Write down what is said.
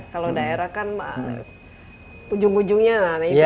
kalau daerah kan ujung ujungnya